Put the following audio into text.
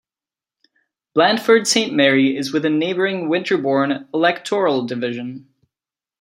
Blandford Saint Mary is within neighbouring Winterborne electoral division.